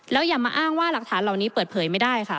แล้วอย่ามาอ้างว่าหลักฐานเหล่านี้เปิดเผยไม่ได้ค่ะ